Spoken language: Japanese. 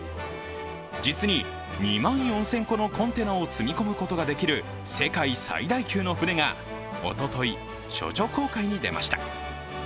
実に２万４０００個のコンテナを積み込むことができる世界最大級の船がおととい処女航海に出ました。